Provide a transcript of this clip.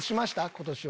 今年は。